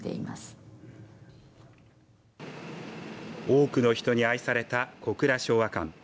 多くの人に愛された小倉昭和館。